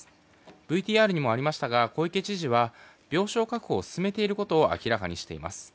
ＶＴＲにもありましたが小池知事は病床確保を進めていることを明らかにしています。